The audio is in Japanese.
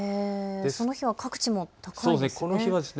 その日は各地、高いですね。